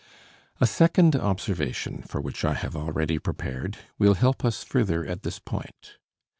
A second observation, for which I have already prepared, will help us further at this point.